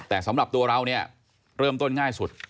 แต่สำหรับตัวเราเนี่ยเริ่มต้นง่ายสุด